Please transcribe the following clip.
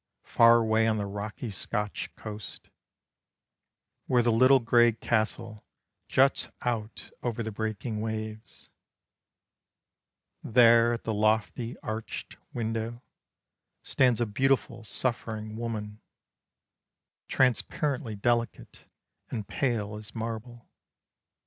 Far away on the rocky Scotch coast, Where the little gray castle juts out Over the breaking waves, There at the lofty arched window Stands a beautiful suffering woman, Transparently delicate, and pale as marble.